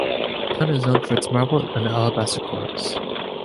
The town is known for its marble and alabaster quarries.